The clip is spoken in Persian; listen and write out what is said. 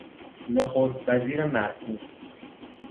نخست وزیر مرحوم